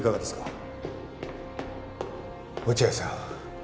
落合さん